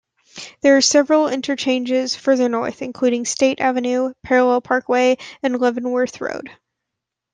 There are several interchanges further north, including State Avenue, Parallel Parkway, and Leavenworth Road.